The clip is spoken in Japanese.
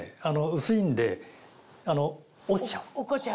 薄いんで落ちちゃう。